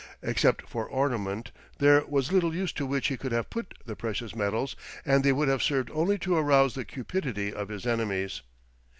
Except for ornament there was little use to which he could have put the precious metals and they would have served only to arouse the cupidity of his enemies.